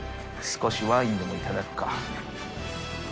少しワインでも頂くか。